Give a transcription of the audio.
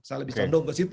saya lebih condong ke situ